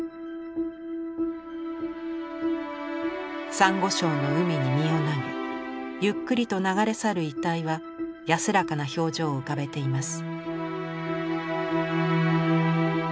さんご礁の海に身を投げゆっくりと流れ去る遺体は安らかな表情を浮かべています。